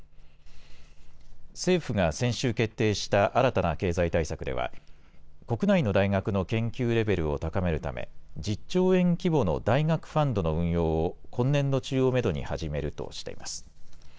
政府が先週決定した新たな経済対策では国内の大学の研究レベルを高めるため１０兆円規模の大学ファンドの運用を今年度中をめどに始めるとしています。